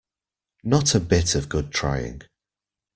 Not a bit of good trying.